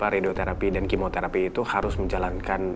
radioterapi dan kimoterapi itu harus menjalankan